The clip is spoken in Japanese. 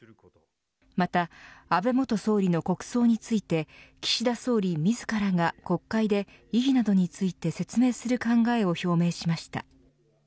また、安倍元総理の国葬について岸田総理自らが、国会で意義などについて説明する考えを表明しました。